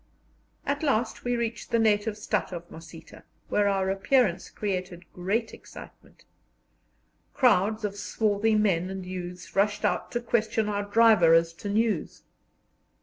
At last we reached the native stadt of Mosita, where our appearance created great excitement. Crowds of swarthy men and youths rushed out to question our driver as to news.